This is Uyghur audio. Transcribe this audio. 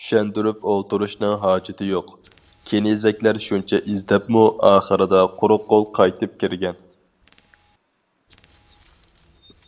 چۈشەندۈرۈپ ئولتۇرۇشنىڭ ھاجىتى يوق، كېنىزەكلەر شۇنچە ئىزدەپمۇ، ئاخىردا قۇرۇق قول قايتىپ كىرگەن.